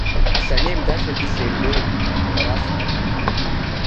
Санеимдашагьы сеимдоит, ҳәа расҳәон.